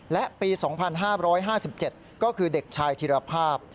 และปี๒๕๕๗ก็คือเด็กชายธิรภาพ